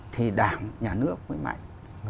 thì đảng nhà nước mới mạnh